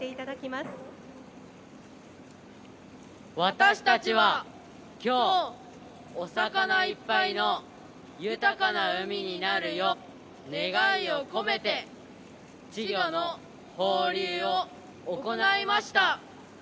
私たちは今日、お魚いっぱいの豊かな海になるよう願いを込めて稚魚の放流を行いました。